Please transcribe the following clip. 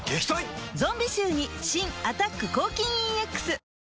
ゾンビ臭に新「アタック抗菌ＥＸ」